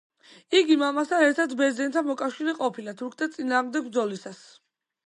იგი მამასთან ერთად ბერძენთა მოკავშირე ყოფილა თურქთა წინააღმდეგ ბრძოლისას.